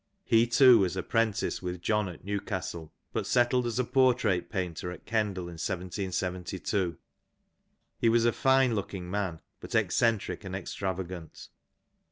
He too was ap prentice with John at Newcastle, but settled as a portrait painter at Kendal in 1772. He was a fine looking man, but eccentric and extravagant.